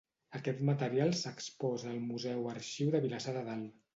Aquest material s'exposa al Museu-Arxiu de Vilassar de Dalt.